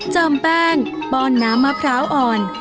จอมแป้งป้อนน้ำมะพร้าวอ่อน